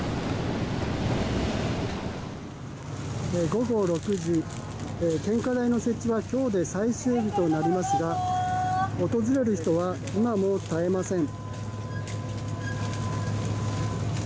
午後６時献花台の設置は今日で最終日となりますが訪れる人は今も絶えません。